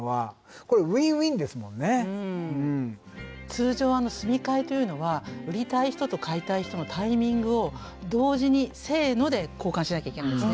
通常住み替えというのは売りたい人と買いたい人のタイミングを同時に「せの」で交換しなきゃいけないんですね。